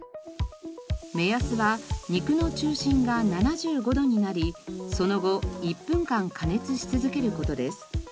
目安は肉の中心が７５度になりその後１分間加熱し続ける事です。